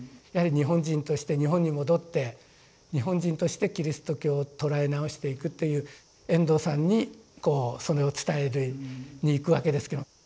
やはり日本人として日本に戻って日本人としてキリスト教を捉え直していく」っていう遠藤さんにこうそれを伝えに行くわけですけど。